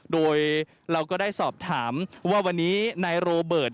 โดยเราก็ได้สอบถามว่าวันนี้นายโรเบิร์ต